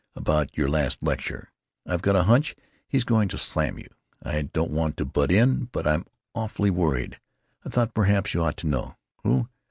—about your last lecture. I've got a hunch he's going to slam you. I don't want to butt in, but I'm awfully worried; I thought perhaps you ought to know.... Who?